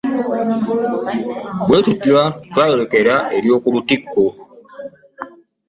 Bwetutyo twayorekera ery'okulutikko .